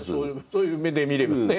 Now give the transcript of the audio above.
そういう目で見ればね。